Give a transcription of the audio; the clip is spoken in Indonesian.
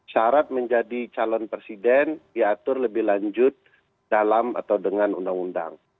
syarat menjadi calon presiden diatur lebih lanjut dalam atau dengan undang undang